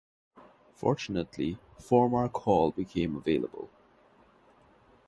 Fortunately Foremarke Hall became available.